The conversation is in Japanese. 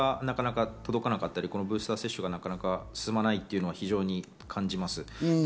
情報がなかなか届かなかったり、ブースター接種が進まないというのは非常に感じます。